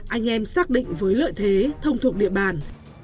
anh em xác định với lợi thế thông thuộc địa bàn